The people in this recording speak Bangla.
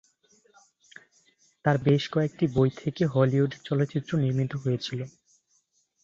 তার বেশ কয়েকটি বই থেকে হলিউডের চলচ্চিত্র নির্মিত হয়েছিল।